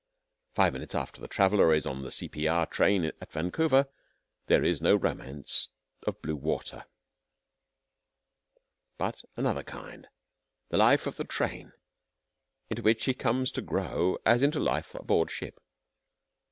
Five minutes after the traveller is on the C.P.R, train at Vancouver there is no romance of blue water, but another kind the life of the train into which he comes to grow as into life aboard ship.